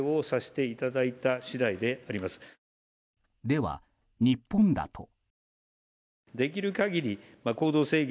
では、日本だと？